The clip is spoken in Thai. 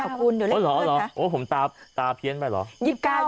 อ๋อเหรอผมตาเพี้ยนไปเหรอ